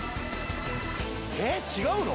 えっ違うの？